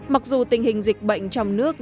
mặc dù tình hình dịch bệnh trong nước